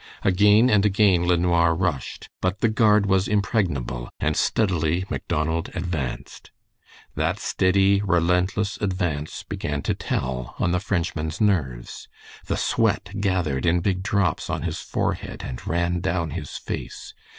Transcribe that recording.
Again and again LeNoir rushed, but the guard was impregnable, and steadily Macdonald advanced. That steady, relentless advance began to tell on the Frenchman's nerves. The sweat gathered in big drops on his forehead and ran down his face.